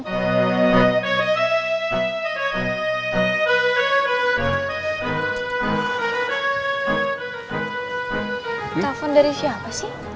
telepon dari siapa sih